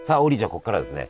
ここからはですね